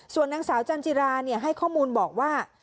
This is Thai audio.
ส่วนนางสาวจันจิราให้ข้อมูลบอกว่า